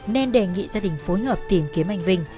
nên đề nghị gia đình phối hợp tìm kiếm anh vinh